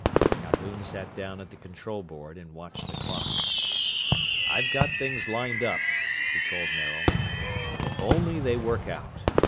Calhoun sat down at the control board and watched the clock. "I've got things lined up," he told Maril, "if only they work out.